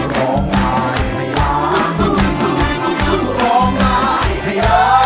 รายลอรี่